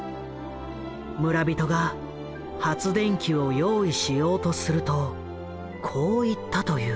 村人が発電機を用意しようとするとこう言ったという。